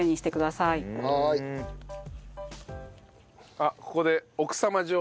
あっここで奥様情報。